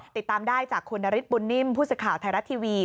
ติดตามได้จากคุณนฤทธบุญนิ่มผู้สื่อข่าวไทยรัฐทีวี